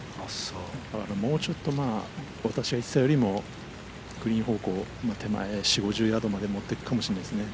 もうちょっと私が言ってたようにグリーン方向手前に４０５０ヤードぐらいまで持っていくかもしれないですね。